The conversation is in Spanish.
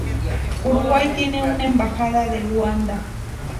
Uruguay tiene una embajada en Luanda.